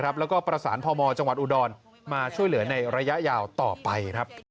แล้วก็ประสานพมจังหวัดอุดรมาช่วยเหลือในระยะยาวต่อไป